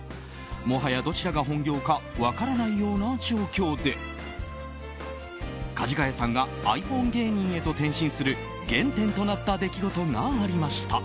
もはや、どちらが本業か分からないような状況でかじがやさんがｉＰｈｏｎｅ芸人へと転身する原点となった出来事がありました。